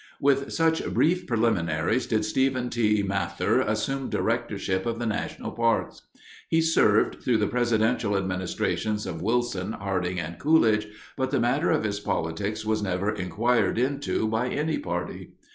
With such brief preliminaries did Stephen T. Mather assume directorship of the national parks. He served through the presidential administrations of Wilson, Harding, and Coolidge, but the matter of his politics was never inquired into by any party.